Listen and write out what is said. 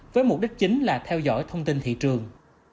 với mục đích chính là theo dõi thông tin thị trường